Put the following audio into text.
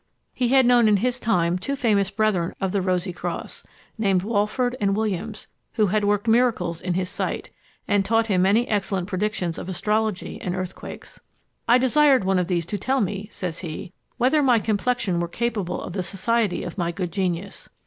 He had known in his time two famous brethren of the Rosie Cross, named Walfourd and Williams, who had worked miracles in his sight, and taught him many excellent predictions of astrology and earthquakes. "I desired one of these to tell me," says he, "whether my complexion were capable of the society of my good genius.